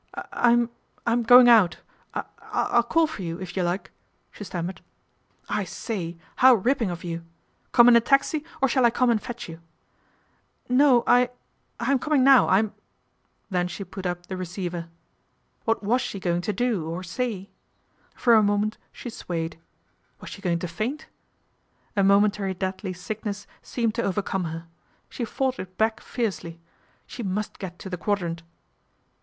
" I'm I'm going out. I I'll call for you if you like," she stammered. " I say, how ripping of you. Come in a taxi or shall I come and fetch you ?"" No, I I'm coming now, I'm " then she put up the receiver. What was she going to do or say ? For a moment she swayed. Was she going to faint ? A momentary deadly sickness seemed to overcome her. She fought it back fiercely. She must get to the Quadrant.